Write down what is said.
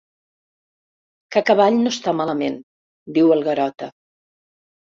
Cacavall no està malament —diu el Garota.